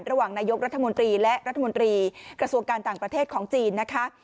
ระหว่างนายกรัฐมนตรีและรัฐมนตรีกระทรวงการต่างประเทศของจีนนะคะ